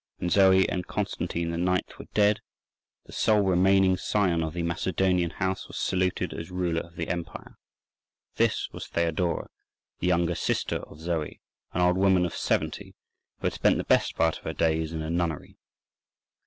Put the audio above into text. When Zoe and Constantine IX. were dead, the sole remaining scion of the Macedonian house was saluted as ruler of the empire. This was Theodora, the younger sister of Zoe, an old woman of seventy, who had spent the best part of her days in a nunnery.